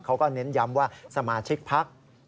เขาก็เน้นย้ำว่าสมาชิกพัก